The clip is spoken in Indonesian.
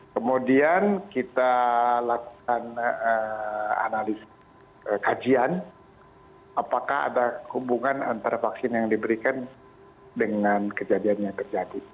kemudian kita lakukan analis kajian apakah ada hubungan antara vaksin yang diberikan dengan kejadian yang terjadi